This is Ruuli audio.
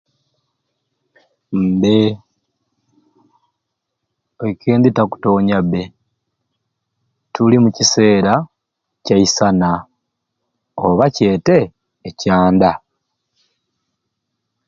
Mbe oikendi takutonyabe tuli mu kiseera kyaisana oba kyete ekyanda